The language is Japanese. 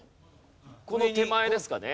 この手前ですかね。